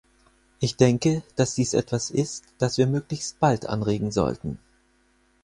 Ich denke, dass dies etwas ist, dass wir möglichst bald anregen sollten.